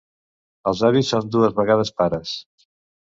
Els avis són dues vegades pares.